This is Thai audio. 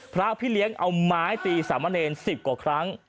พระพี่เลี้ยงเอาไม้ตีสามะเนร๑๐กว่าครั้ง